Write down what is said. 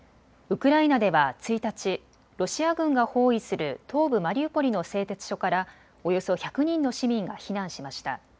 ウクライナでは１日、ロシア軍が包囲する東部マリウポリの製鉄所から、およそ１００人の市民が避難しました。